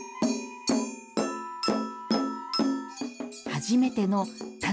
初めての棚